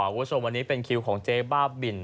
วันโชว์วันนี้เป็นคิวของเจ๊บ้าบิ่น